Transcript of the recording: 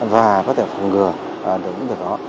và có thể phòng ngừa được những điều đó